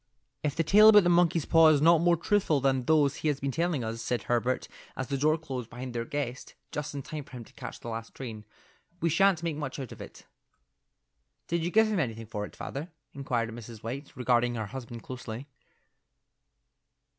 "If the tale about the monkey's paw is not more truthful than those he has been telling us," said Herbert, as the door closed behind their guest, just in time for him to catch the last train, "we sha'nt make much out of it." "Did you give him anything for it, father?" inquired Mrs. White, regarding her husband closely.